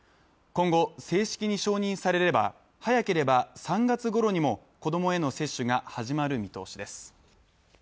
今後、正式に承認されれば、早ければ３月ごろにも子供への接種が始まる見通しです。